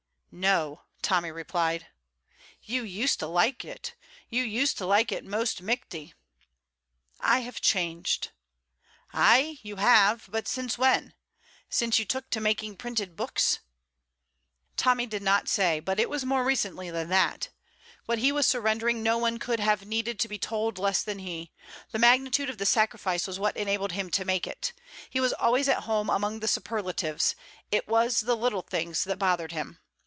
"No," Tommy replied. "You used to like it; you used to like it most michty." "I have changed." "Ay, you have; but since when? Since you took to making printed books?" Tommy did not say, but it was more recently than that. What he was surrendering no one could have needed to be told less than he; the magnitude of the sacrifice was what enabled him to make it. He was always at home among the superlatives; it was the little things that bothered him.